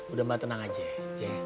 udah mbak tenang aja